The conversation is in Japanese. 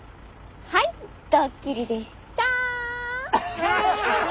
はいドッキリでした！